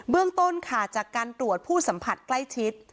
เรื่องต้นค่ะจากการตรวจผู้สัมผัสใกล้ชิด